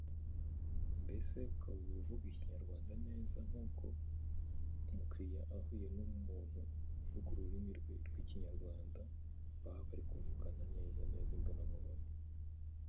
Cameron further argued that "the weak" must not influence children.